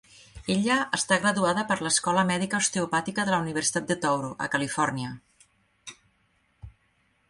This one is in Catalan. Ella està graduada per l'escola mèdica osteopàtica de la Universitat de Touro, a Califòrnia.